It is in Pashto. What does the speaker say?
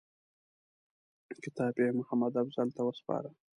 کتاب یې محمدافضل ته وسپاره.